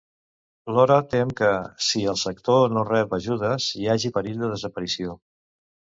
Lora tem que, si el sector no rep ajudes, hi hagi perill de desaparició.